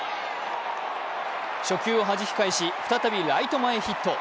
初球をはじき返し再びライト前ヒット。